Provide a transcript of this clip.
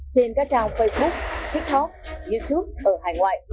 trên các trào facebook tiktok youtube ở hải ngoại